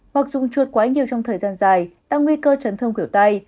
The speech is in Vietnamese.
hoặc dùng chuột quá nhiều trong thời gian dài tăng nguy cơ chấn thương kiểu tay